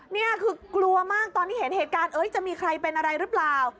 นี่คือกลัวมากตอนที่เห็นเหตุการณ์จะมีใครเป็นอะไรหรือเปล่า